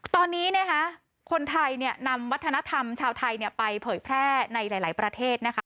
ตอนนี้นะคะคนไทยนำวัฒนธรรมชาวไทยไปเผยแพร่ในหลายประเทศนะคะ